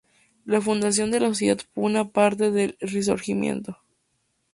La fundación de la sociedad fue una parte del "Risorgimento".